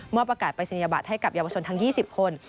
เมื่อประกาศไปสัญญาบัติให้กับเยาวชนทั้ง๒๐คน